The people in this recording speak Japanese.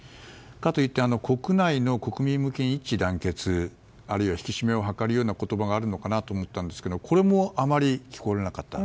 かといって、国内の国民向けに一致団結、あるいは引き締めを図るような言葉があるのかなと思ったんですがこれもあまり聞かれなかった。